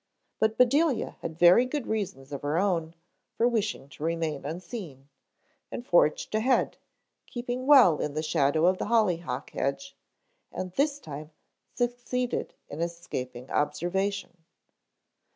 But Bedelia had very good reasons of her own for wishing to remain unseen, and forged ahead, keeping well in the shadow of the hollyhock hedge, and this time succeeded in escaping observation.